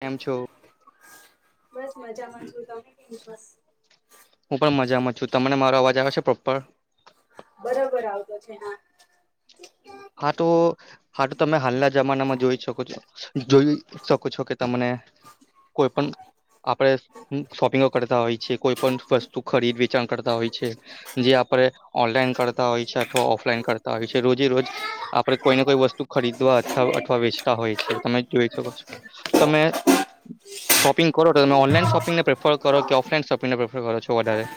કેમ છો બસ મજામા છું, તમે કેમ છો. હું પણ મજામાં છું તમને મારો અવાજ આવે છે, પ્રોપર બરોબર આવતો છે હા હા તો હા તો તમે હાલના જમાનામાં જોઈ શકો છો. જોઈ શકો છો કે તમને કોઈ પણ આપડે શોપિંગો કરતા હોય છે કોઈ પણ વસ્તુ ખરીદવી કરતા હોય છે જે આપણે ઓનલાઈન કરતા હોય છે અથવા ઓફલાઈન કરતા હોય છે રોજેરોજ આપડે કોઈને કોઈ વસ્તુ ખરીદવા અતાઅથવા વેચતા હોય છે. તમે જોઈ શકો છો તમે શોપિંગ કરો તો તમે ઓનલાઈન શોપિંગને પ્રેફર કરો કે ઓફલાઈન શોપિંગને પ્રેફર કરો છો વધારે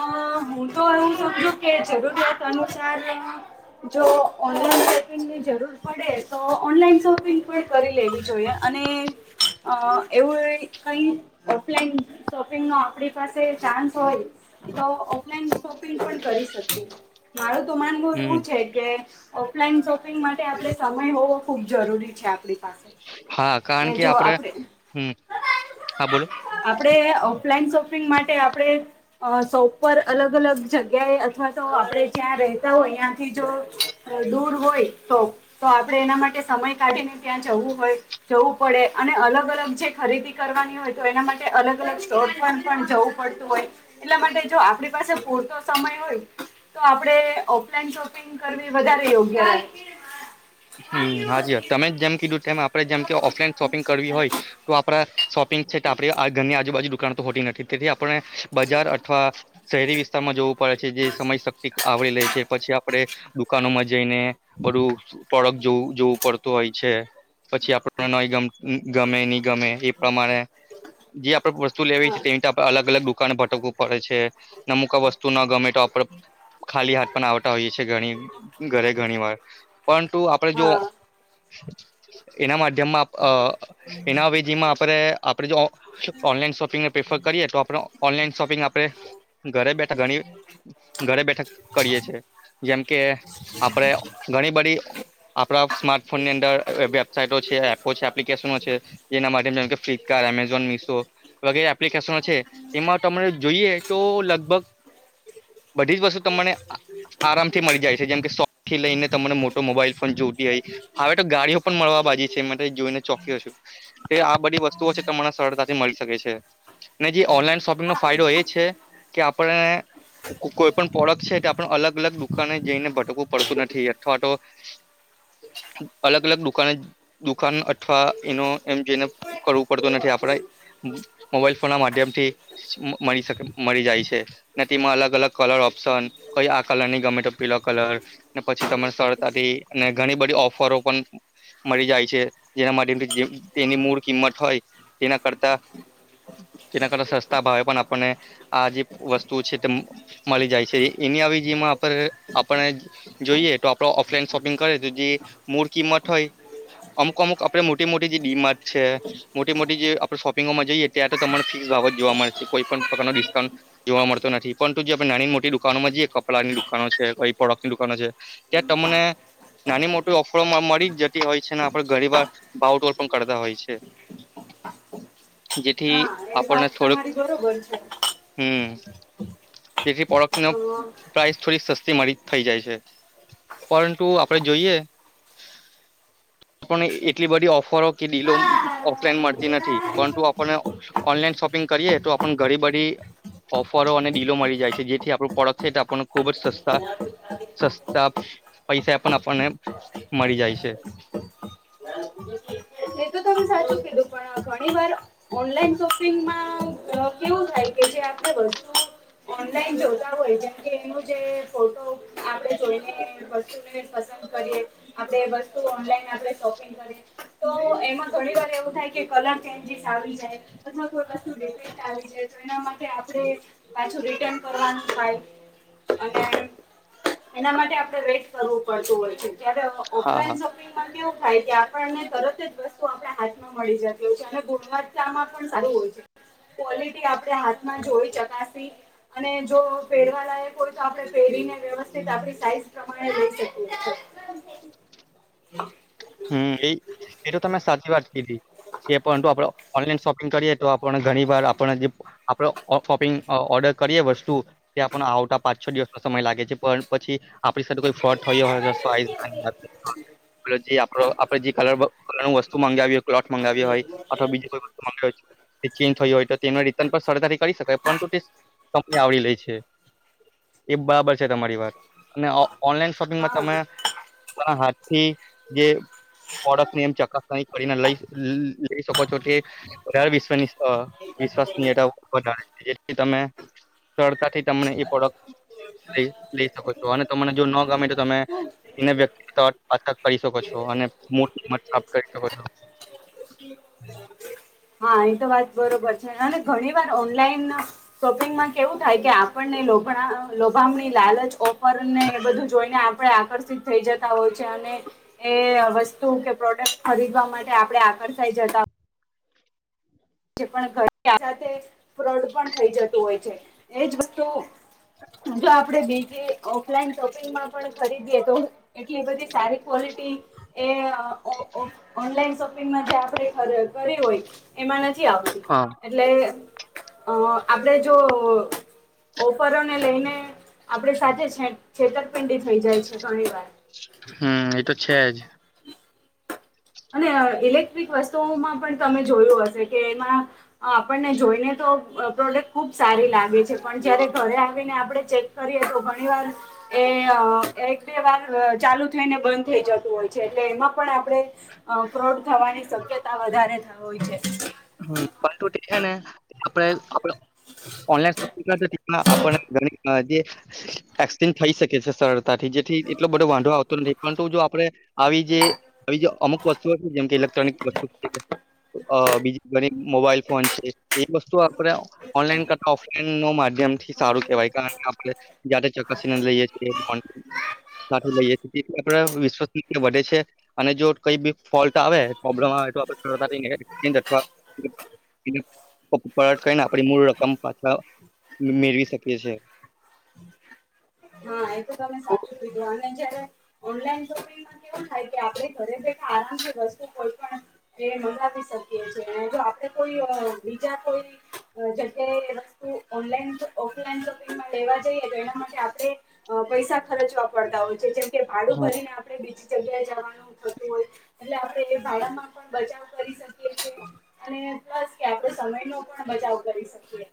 અ હું તો એવુ સમજુ કે જરૂરિયાત અનુસાર જો ઓનલાઈન ની જરૂર પડે તો ઓનલાઈન શોપિંગ પણ કરી લેવી જોઈએ અને અ [inaudible] કઈ ઓફલાઇન શોપિંગનો આપણી પાસે ચાન્સ હોય, તો ઓફલાઈન શોપિંગ પણ કરી શકી મારું તો માનવું હમ એવું છે કે. ઓફલાઈન શોપિંગ માટે આપણે સમય હોવો ખૂબ જરૂરી છે આપે હા કારણ કે આપડે હમ હા બોલો. આપણે ઓફલાઈન શોપિંગ માટે આપણે. અ સો ઉપર અલગ અલગ જગ્યાએ અથવા તો આપડે જ્યાં રહેતા હોય ત્યાંથી જો. દૂર હોય તો. તો આપણે એના માટે સમય કાઢીને ત્યાં જવું હોય જવું પડે અને અલગ અલગ જે. ખરીદી કરવાની હોય તો એના માટે અલગ અલગ સ્ટોર પણ પણ જવું પડતું હોય. એટલા માટે જો આપણી પાસે પૂરતો સમય હોય તો આપડે ઓફલાઈન શોપિંગ. કરવી વધારે યોગ્ય રહે. હમ્મ હા જ તમે જેમ કીધું તેમ આપડે જેમ કે ઓફલાઈન શોપિંગ કરવી હોય. તો આપડા શોપિંગ છે તો આપડી ઘરની આજુબાજુ દુકાન તો હોતી નથી. તેથી આપણે બજાર અથવા. શહેરી વિસ્તારમાં જવું પડે છે જે સમય શક્તિ આવરી લે છે પછી આપડે. દુકાનોમાં જઈને બધું. પડખ જોવું જોવું પડતું હોય છે પછી આપણને ન ગમે નહી ગમે. એ પ્રમાણે જે આપડે વસ્તુ લેવી હા છે તેની આપણે અલગ અલગ દુકાને ભટકવું પડે છે. અમુક વસ્તુ ન ગમે તો આપ ખાલી હાથ પણ આવતા હોઈએ છીએ ઘણી ઘરે ઘણી વાર. પરંતુ આપડે જો હા એના માધ્યમમાં. એના હવે જેમાં આપડે આપણે જો. ઓનલાઈન શોપિંગને પ્રેફર કરીએ તો આપણે ઓનલાઈન શોપિંગ આપે ઘરે બેઠા ઘણી ઘરે બેઠા કરીએ છે જેમ કે આપડે ઘણી બધી. આપણા સ્માર્ટફોનની અંદર વેબસાઈટો છે, એપો છે, એપ્લિકેશનો છે. એના માટે જેમ કે, ફ્લિપકાર્ટ, એમેઝોન, મિશો. વગેરે એપ્લિકેશનો છે, એમાં તમને જોઈએતો લગભગ. બધી જ વસ્તુ તમને આરામથી મળી જાય છે, જેમ કે સોફ થી લઈને તમને મોટું. મોબાઈલ ફોન જોતી આવીઈ હવે તો ગાડીઓ પણ મળવા બાજી છે, મેં જોઈને ચોકીયો છું. આ બધી વસ્તુઓ છે, ને સરળતાથી મળી શકે છે, જે ઓનલાઇન શોપિંગ. એમનો ફાયદોએ છે, કે આપણને. કોઈપણ પ્રોડક્ટ છે, તે આપણે અલગ -અલગ દુકાને જઈને ભટકવું પડતું નથી, અથવા તો અલગ -અલગ દુકાને દુકાન અથવા એનો એમ જેને કરવું પડતો નથી, આપડે મોબાઈલ ફોનના માધ્યમ થી મળ મળી જાય છે. ને તેમાં અલગ અલગ કલર ઓપ્શન કોઈ આ કલરની ગમે તો પીલો કલર ને પછી તમારે. અને ઘણી બધી ઓફરો પણ. મળી જાય છે, જેના માટે જે તેની મૂળ કિંમત હોય તેના કરતા. તેના કરતા સસ્તા ભાવે પણ આપણને આજે વસ્તુ છે, તે મળી જાય છે, એની આવી જેમાં આપણે આપણે જોઈએ તો. ઓફલાઈન શોપિંગ કરેતો જે મૂળ કિંમત હોય. અમુક અમુક આપે મોટી મોટી જે ડી -માર્ટ છે. મોટી મોટી જે આપણે શોપિંગોમાં જઈએ ત્યાંતો તમાને ફિક્સ ભાવ જ જોવા મળે છે, કોઈપણ પ્રકારના ડિસ્કાઉન્ટ. જોવા મળતો નથી, પરંતુ જે આપણે નાની મોટી દુકાનોમાં જીએ કપડાની દુકાનો છે, કોઈ પ્રોડક્ટસની દુકાનો છે. ત્યાં તમને, નાની મોટી ઓફરોમાં મળી જતી હોય છે, અને આપણે ઘરી વાર આઉટલ પણ કરતા હોય છે. હ [inaudible] હા એ વાત તમારી બરોબર છે. હું જેથી પોળકને પ્રાઇસ થોડી સસ્તી મળી થઈ જાય છે. પરંતુ આપડે જોઈએ. આપને એટલી બધી ઓફરો કે ડીલો ઓફલાઈન મળતી નથી પરંતુ આપને, ઓનલાઈન શોપિંગ કરીએ તો આપ ઘડી બડી, ઓફરો અને ડીલો મળી જાય છે, જેથી આપણો પ્રોડક્ટ છે, એ આપણને ખુબ જ સસ્તા. હ [inaudible] સસ્તા પૈસા પણ આપણને મળી જાય છે, હ [inaudible] એતો તમે સાચું કીધું પણ ઘણીવાર, ઓનલાઈન શોપિંગમાં કેવું થાય કેજે આપણે વસ્તુ, ઓનલાઈન જોતા હોય જેમ કે એનું જે ફોટો. આપે જોઈને વસ્તુને પસંદ કરીએ આપે વસ્તુ ઓનલાઈન આપે શોપિંગ, તો એમાં ઘણીવાર એવું થાય કે કલર ચેન્જીસ આવી જાય. અથવા કોઈ વસ્તુ રેપિટ આવી જાય તો એના માટે આપડે પાછું રિટર્ન કરવાનું થાય. અને એના માટે આપણે વેટ કરવું પડતું હોય છે, જ્યારે હા હા ઓફલાઈન શોપિંગમાં કેવું થાય કે આપણને તરત જ વસ્તુ આપણે હાથ. મળી જતી હોય છે, અને ગુણવતામાં પણ સારું હોય છે. ક્વોલિટી આપણે હાથમાં જોઈ ચકાશી. અને જો પહેરવા લાયક હોય તો આપણે પેઢીને વ્યવસ્થિત આપ સાઈઝ પ્રમાણે લઈ શકીએ છીએ. [unintelligible] [inaudible] હું. [inaudible] હું એ એ તો તમે સાચી વાત કીધી. એ પરંતુ આપણે ઓનલાઈન શોપિંગ કરીએ તો આપણે ઘણીવાર આપણે જેમ. આપડે અ શોપિંગ અ ઓર્ડર કરીએે વસ્તુ. ત્યાં પણ આવતા પાંચ -છ દિવસનો સમય લાગે છે, પણ પછી આપણી સાથે કોઈ ફ્રોટ થયો હોય જે સાઇઝ [unintelligible] આપ આપડે જે કલર. રું વસ્તુ મંગાવી હો ક્લોથ મગાવ્યા હોય અથવા બીજી કોઈ વસ્તુ મંગાવી ચેન્જ થય હોય તો તેમને રિટર્ન પણ સરધથી કરી શકાય પરંતુ તે કપને આવરી લે છે એ બરાબર છે તમારી વાત અને ઓ ઓનલાઈન શોપિંગમાં હા તમે હાથ થી જે ઓડસ ની એમ ચકાસ કરીને લઈ લઈ શકો છો તે વધારે વિશ્ વિશ્વાસ વધારે જેથી તમે સરળતાથી તને એ પ્રોડક્ટ લઈ લય શકો છો અને મને જો ન ગમે તો તમે એ વ્યક્ક તરત [unintelligible] કરી શકો શકો છો અને મોટ છાપ કરી શકો છો [unintelligible] હા એ તો વાત બરોબર છે અને ઘણી વાર ઓનલાઈન માં શોપિંગમાં કેવું થાય કે આપણને લોભા લોભામણી લાલચ ઓફર ને એ બધું જોઈને આપણે આ આકર્ષિત થઈ જતા હોય છે અને એ વસ્તુ કે પ્રોડક્ટ ખરીદવા માટે આપણે આકર્ષાઈ જતા પણ ઘ સાથે ફ્રોડ પણ થઈ જતું હોય છે એજ વસ્તુ જો આપડે બીજે ઓફલાઈન શોપિંગમાં પણ ખરીદીએ તો એટલી એ બધી સારી ક્વોલિટી એ અ ઓ ઓનલાઈન શોપિંગમાં જ્યાં આપણે કરી હોય એમાં આવતી હા એટલે અ આપડે જો ઓફરો ને લઈને આપદે સાથે છે છેતરપિંડી થઈ જાય છે ઘણી વાર હમ એ તો છે જ અને અ ઇલેક્ટ્રિક વસ્તુઓમાં પણ તમે જોયું હશે કે એમાં આપણને જોઈને તો પ્રોડક્ટ ખુબ સારી લાગે છે પણ જયારે ઘરે આવીને આપણે ચેક કરીએ તો ઘણી વાર એ અ એક બે વાર ચાલુ થઈને બંધ થઈ જતું હોય છે એટલે એમાં પણ આપડે અ ફ્રોડ થવાની શક્યતા વધારે થ હોય છે હ છે ને આપ [unintelligible] ઓનલાપ આપણી જે વક્ન થઈ શકે છે સરળતા થી જેથી એટલો બધો વાંધો આવતો નથી પરંતુ જો આપડે આવી જે આવી જે અમુક વસ્તુઓ છે જેમ કે ઇલેક્ટ્રોનિક વસ્તુ છે બીજી મોબાઈલ ફોન છે એ વસ્તુ આપડે ઓનલાઈન કરતા ઓફલાઇન માધ્યમ થી સારું કેવાય કારણ આપણે જાતે ચકાસીને લઈએ છએ ફોન. સાથે લઈએ છીએ જે આપણે વિશ્વસનીયતા વધે છે અને જો કઈ બી ફોલ્ટ આવે, પ્રોબ્લેમ આવે તો આપે સરળતાથી અથવા પરટ કરીને આપડી મૂળ રકમ પાછા મેળવી શકીએ છીએ. હા એ તો તમે હા સાચું કીધું અને જયારે ઓનલાઈન શોપિંગ કેવું થાય કે આપડે ઘરે બેઠા આરામ છે વસ્તુ કોઈ પણ એ મંગાવી શકીએ છીએ અને જો આપડે કોઈ બીજા કોઈ જતે વસ્તુ ઓનલાન ઓફલાઈન સોપિંગમાં લેવા જઈએ તો એના માટે પૈસા ખર્ચવા પડતા હોય છે જેમ કે ભાડું હમ. ભરીને આપણે બીજી જગ્યા જવાનું એટલે આપણે એ ભામાં પણ બચાવ કરી શકીએ છે. પ્લસ કે આપડે સમય નો પણ બચાવ કરી શકીએ.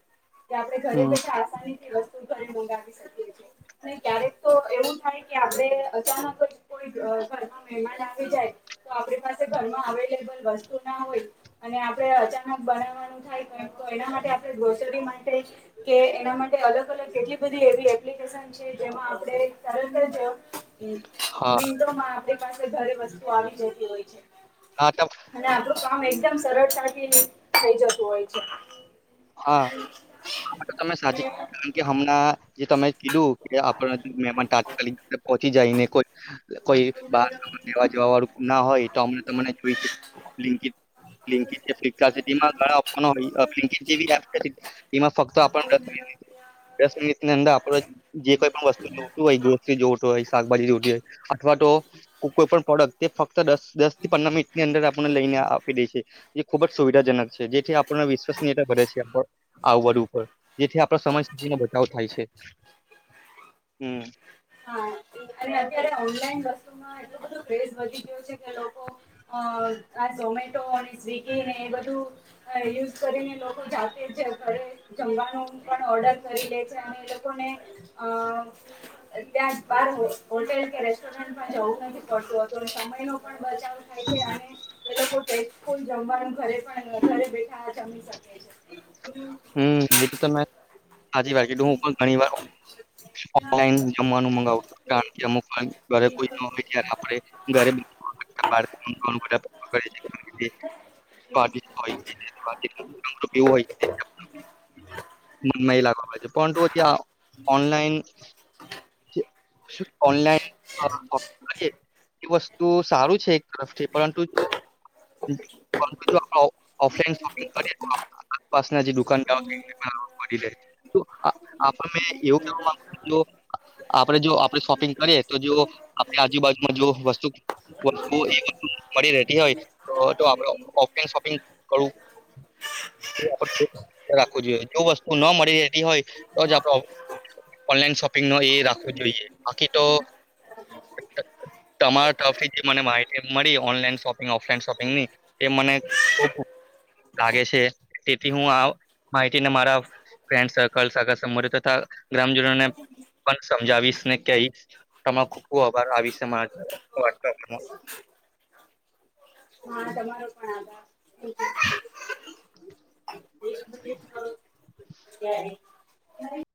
કે આપણે ઘરે હમ, બધા આસાનીથી વસ્તુ ઘરે મંગાવી શકીએ છે અને ક્યારેક તો એવું થાય કે આપડે અચાનક જ કોઈ ઘરમાં મહેમાન આવી જાય તો આપણી પાસે ઘરમાં અવેલેબલ વસ્તુ ના હોય અને આપડે અચાનક બનાવવાનું થાય એના માટે આપણે ગ્રોસરી માટે કે એના માટે અલગ અલગ કેટલી બધી એવી એપ્લિકેશન જેમાં આપણે તરત જ હા મિટોમાં પાસે ઘરે વસ્તુ આવી જતી હોય છે. આ તપ અને આપણું કામ એકદમ સરળતાથી થઇ જતું હોય છે. હા આ તો તમે સાચી કી અને કારણ કે હમણાં જે તમે કીધું કે આપડે મહેમાન તાત્કાલિક પહોંચી જાયને કોઈ કોઈ બાર લેવા જવા વાળું ના હોય તો અમને તો મને જોય બ્લિન્કિટ લિંક છે, ફ્લિપકાર્ટ છે તેમાં ઘણા ઓપ્શનો જે બ્લિન્કિટ જેવી એપ છે તેમાં ફક્ત આપણ દસ મિનિટ દસ મિનિટની અંદર આપડો જે કોઈ પણ વસ્તુ જોતું હોય ગ્રોસરી જોવું હોય શાકભાજી જોવતી હોય અથવા તો કોઈ પણ પ્રોડક્ટ તે ફક્ત દસ દસ થી પંદર મિનિટ ની અંદર આપને લઈને આપી દે છે. એ ખુબ જ સુવિધાજનક છે જેથી આપણને વિશ્વાસ ભરે છે આવડ ઉપર જેથી આપણા સમજશક્તિ નો બચાવ થાય છે. હમ્મ. હા અને અત્યારે ઓનલાઈન વસ્તુમાં એટલું બધું ક્રેઝ વધી ગયો છે કે લોકો અ આ ઝોમેટો અને સ્વિગી ને એ બધું યુઝ કરીને લોકો જાતે છે ઘરે જમવાનું પણ ઓર્ડર કરી લે છે અને એ લોકોને અ ત્યાં બાર હોટેલ કે રેસ્ટોરન્ટમાં જવું નથી પડતું હતું સમય નું પણ બચાવ થાય છે અને એ લોકો [unintelligible] જમવાનું ઘરે પણ ઘરે બેઠા જમ સાથ હમ્મ, એ તો મે હાચી વાર કીધું, હું પણ ઘણી વાર ઓનલાઈન મવાનું મગાવ કારણ કે અમુક ઘરે કોઈ હોય ત્યારે આપે ઘરે કોક કે છે બહારથી માંગવું [inaudible] [inaudible] કેવું હોય મહિલા છે પણ જો ત્યાં ઓનલાઈન જે શું ઓનલાઈન એ વસ્તુ સારું છે એક તરફથી પરંતુ જો પરંતુ જો આપડે ઓફિલિન શોપિંગ કરીએ તો આસપાસના જે દુકાનદાર કરી [inaudible] કરી લે. આપ એવું કેવા માંગ જો. આપડે જો આપણે શોપિંગ કરીએ તો જો આપણે આજુબાજુમાં જો વસ્તુ. વસ્તુ મળી રહેતી હોય તો આપડ ઓફલાઈન શોપિંગ કરું. રાખવું જોઈએ જો વસ્તુ ન મળી રહેતી હોય. તો જ આપડ ઓનલાઈન શોપિંગ ન એ રાખવું જોઈએ બાકી તો. [inaudible] તમારા તરફથી જે મને માટી મળી ઓનલાઈન શોપિંગ ઓફલાઈન શોપિંગ ની એ મને ખ લાગે છે તેથી હું આ માહિતીને મારા. ફ્રેન્ડ સર્કલ સાગર સમ તથા ગ્રામજનોને. પણ સમજાવીશ ને કહીશ તમારો ખુ ખ આભાર આવી છે વા. હા તમારો પણ આભ. હ. આભાર